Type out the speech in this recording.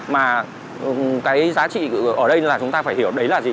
mà cái giá trị ở đây là chúng ta phải hiểu đấy là gì